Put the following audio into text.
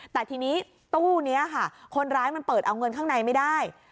แต่ทีนี้ตู้นี้ค่ะคนร้ายมันเปิดเอาเงินข้างในไม่ได้